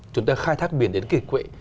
chúng ta khai thác biển đến kỷ quệ